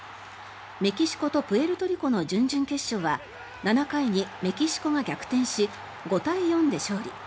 メキシコとプエルトリコの準々決勝は７回にメキシコが逆転し５対４で勝利。